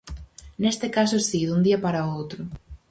Neste caso si, dun día para outro.